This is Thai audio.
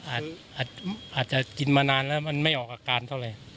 อาจจะกินมานานแล้วมันไม่ออกอาการเท่าไหร่